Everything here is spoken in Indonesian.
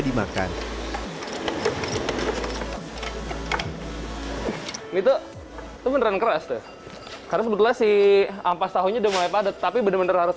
dimakan itu beneran keras karena sebetulnya sih ampas tahunya demai padat tapi bener bener harus